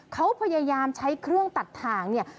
เขาพยายามใช้เครื่องตัดถ่างเนี่ย